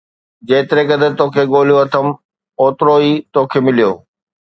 جيتري قدر توکي ڳولهيو اٿم، اوترو ئي توکي مليو